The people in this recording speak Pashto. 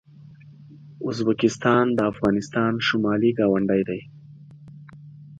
ازبکستان د افغانستان شمالي ګاونډی دی.